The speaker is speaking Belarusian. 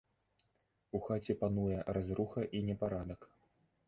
У хаце пануе разруха і непарадак.